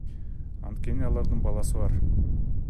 Анткени алардын баласы бар.